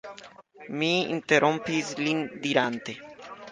Mi interrompis lin dirante: